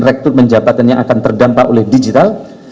rektur penjabatannya akan terdampak oleh digital